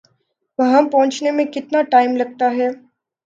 وہاں پہنچنے میں کتنا ٹائم لگتا ہے؟